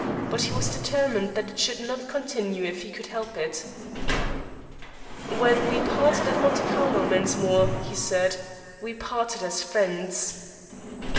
But he was determined that it should not continue if he could help it. "When we parted at Monte Carlo, Mensmore," he said, "we parted as friends."